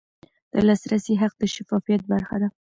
د لاسرسي حق د شفافیت برخه ده.